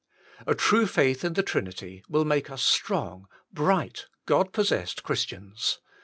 A true faith in the Trinity will make us strong, bright, God possessed Christians.